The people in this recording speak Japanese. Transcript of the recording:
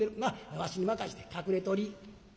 わしに任して隠れとり」。